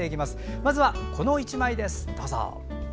まずは、この１枚です。